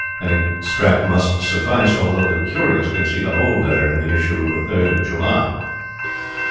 An extract must suffice, although the curious can see the whole letter in the issue of the 3rd of July.